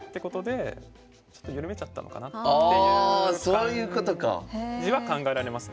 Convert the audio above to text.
そういうことか！っていう感じは考えられますね。